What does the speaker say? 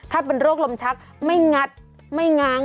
ถ้าเป็นโรคลมชักไม่งัดไม่ง้าง